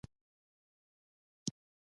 پاچا له لوبغاړو سره د هر ډول ژمنې ټټر واوهه.